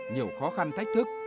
nhiều khó khăn thách thức